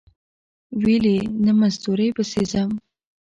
ویل یې نه مزدورۍ پسې ځم.